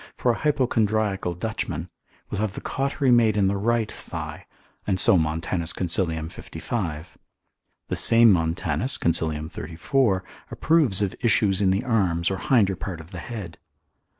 for a hypochondriacal Dutchman, will have the cautery made in the right thigh, and so Montanus consil. 55. The same Montanus consil. 34. approves of issues in the arms or hinder part of the head.